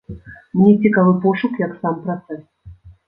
Мне цікавы пошук як сам працэс.